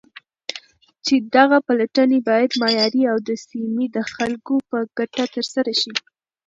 چې دغه پلټنې بايد معياري او د سيمې د خلكو په گټه ترسره شي.